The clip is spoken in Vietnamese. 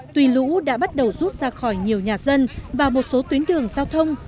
tuy lũ đã bắt đầu rút ra khỏi nhiều nhà dân và một số tuyến đường giao thông